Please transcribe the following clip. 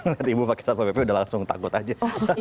nanti ibu pakai satpol pp udah langsung takut aja